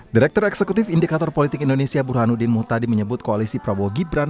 direktur eksekutif indikator politik indonesia burhanuddin muhtadi menyebut koalisi prabowo gibran